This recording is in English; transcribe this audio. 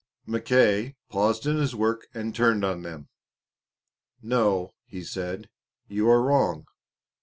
Mackay paused in his work and turned on them. "No," he said, "you are wrong.